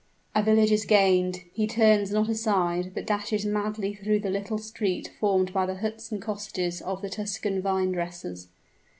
A village is gained; he turns not aside, but dashes madly through the little street formed by the huts and cottages of the Tuscan vine dressers.